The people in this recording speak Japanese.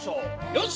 よし。